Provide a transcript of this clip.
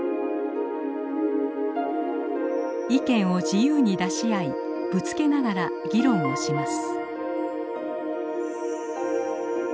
意見を自由に出し合いぶつけながら議論をします。